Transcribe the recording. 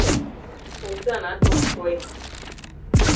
— Овданат ок кой...